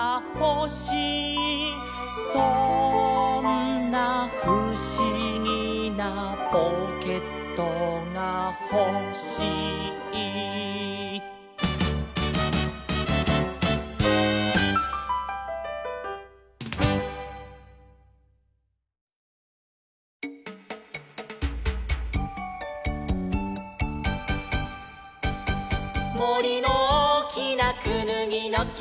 「そんなふしぎなポケットがほしい」「もりのおおきなくぬぎのきはね」